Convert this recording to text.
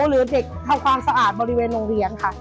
หรือเด็กทำความสะอาดบริเวณโรงเรียนค่ะ